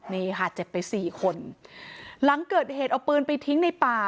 นี่ค่ะเจ็บไปสี่คนหลังเกิดเหตุเอาปืนไปทิ้งในป่า